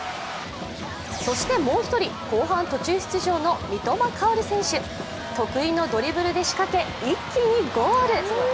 そしてもう１人、後半途中出場の三笘薫選手、得意のドリブルで仕掛け一気にゴール。